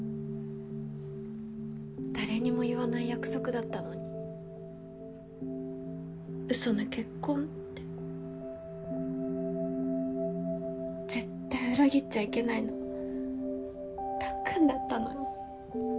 誰にも言わない約束だったのにうその結婚って。絶対裏切っちゃいけないのはたっくんだったのに。